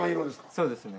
そうですね。